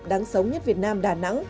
đáng sống nhất việt nam đà nẵng